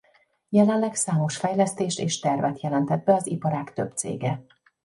Jelenleg számos fejlesztést és tervet jelentett be az iparág több cége.